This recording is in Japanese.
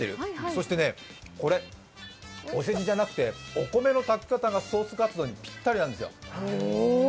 そしてね、これ、おせじじゃなくてお米の炊き方がソースカツ丼にぴったりなんです。